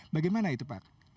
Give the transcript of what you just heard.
bagaimana itu pak